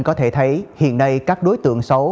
có thể thấy hiện nay các đối tượng xấu